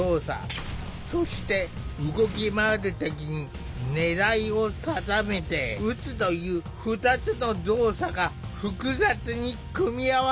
そして動き回る敵に狙いを定めて撃つという２つの動作が複雑に組み合わされている。